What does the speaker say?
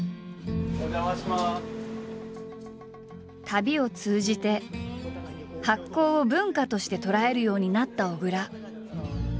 旅を通じて発酵を文化として捉えるようになった小倉。